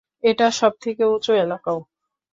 এটা সবথেকে উঁচু এলাকাও।